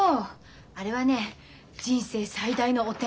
あれはね人生最大の汚点。